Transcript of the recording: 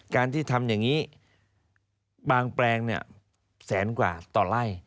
การที่ทำอย่างนี้บางแปลงเนี่ยแสนกว่าต่อไล่